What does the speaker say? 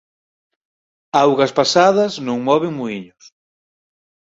Augas pasadas, non moven muíños.